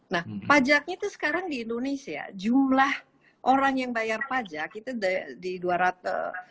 nah pajaknya itu sekarang di indonesia jumlah orang yang bayar pajak itu di dua ratus mungkin jumlah pekerja kita taruhlah seratus